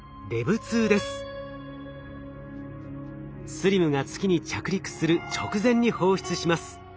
ＳＬＩＭが月に着陸する直前に放出します。